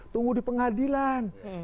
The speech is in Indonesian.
tunggu di pengadilan